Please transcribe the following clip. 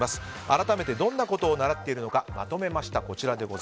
改めてどんなことを習っているのかまとめました。